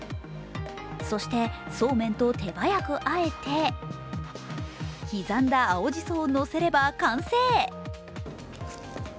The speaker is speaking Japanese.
そしてそうめんと手早く和えて刻んだ青じそをのせれば完成。